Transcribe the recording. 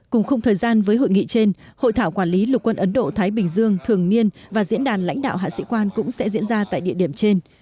cùng khung thời gian với hội nghị trên hội thảo quản lý lục quân ấn độ thái bình dương thường niên và diễn đàn lãnh đạo hạ sĩ quan cũng sẽ diễn ra tại địa điểm trên